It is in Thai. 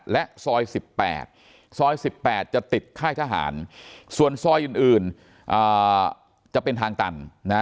และซอย๑๘ซอย๑๘จะติดค่ายทหารส่วนซอยอื่นจะเป็นทางตันนะ